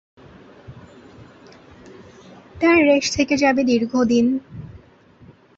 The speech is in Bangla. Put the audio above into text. তার রেশ থেকে যাবে দীর্ঘদিন।